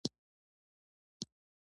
زرغونه فضا د انسان طبیعت ارامه کوی.